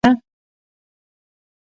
آیا د یووالي او زغم کیسه نه ده؟